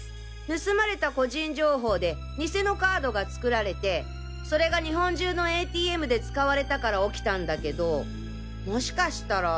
盗まれた個人情報で偽のカードが作られてそれが日本中のＡＴＭで使われたから起きたんだけどもしかしたら。